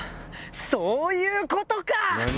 そういうことか！